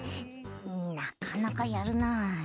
なかなかやるな。